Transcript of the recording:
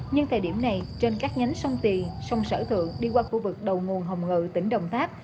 nhưng thời điểm này trên các nhánh sông tiền sông sở thượng đi qua khu vực đầu nguồn hồng ngự tỉnh đồng tháp